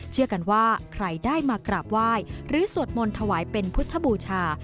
เชื่อกันว่าใครได้มากราบไหว้หรือสวดมนต์ถวายเป็นพุทธบูชา